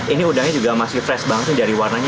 ini udangnya juga masih fresh banget dari warnanya